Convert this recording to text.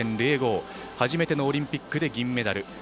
初めてのオリンピックで銀メダル。